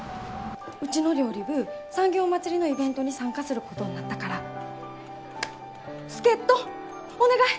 うちの料理部産業まつりのイベントに参加することになったから助っ人お願い！